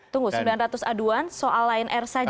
tunggu sembilan ratus aduan soal lion air saja